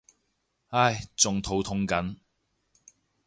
唉仲肚痛緊